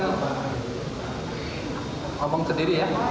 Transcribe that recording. ngomong sendiri ya